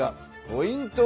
ポイント